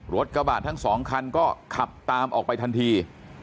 กระบะทั้งสองคันก็ขับตามออกไปทันที